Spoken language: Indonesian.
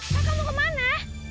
kak kamu kemana